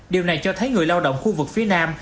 điều này cho thấy người lao động khu vực phía nam